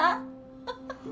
ハハハ